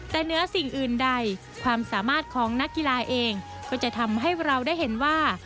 แต่เหนือสิ่งอื่นใดความสามารถของนักกีฬาเองก็จะทำให้เราได้เห็นว่า